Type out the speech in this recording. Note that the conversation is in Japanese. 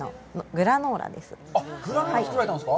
グラノーラ、作られたんですか？